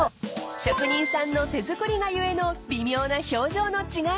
［職人さんの手作りが故の微妙な表情の違いも魅力］